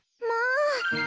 まあ。